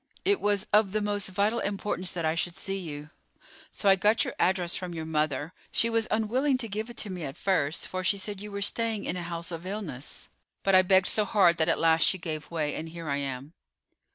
It was of the most vital importance that I should see you, so I got your address from your mother. She was unwilling to give it to me at first, for she said you were staying in a house of illness; but I begged so hard that at last she gave way, and here I am."